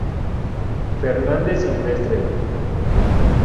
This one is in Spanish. Fernández Silvestre.